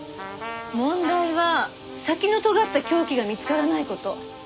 問題は先のとがった凶器が見つからない事。